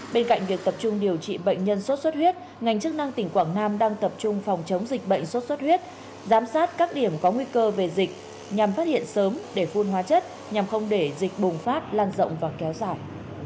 bên cạnh việc tập trung điều trị bệnh nhân sốt xuất huyết ngành chức năng tỉnh quảng nam đang tập trung phòng chống dịch bệnh sốt xuất huyết giám sát các điểm có nguy cơ về dịch nhằm phát hiện sớm để phun hóa chất nhằm không để dịch bùng phát lan rộng và kéo dài